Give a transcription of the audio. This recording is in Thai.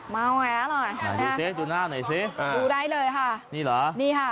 มาแหวะเลยดูหน้าหน่อยสิดูได้เลยค่ะนี่เหรอนี่ค่ะ